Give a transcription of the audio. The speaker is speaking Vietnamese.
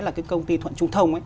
là cái công ty thuận trung thông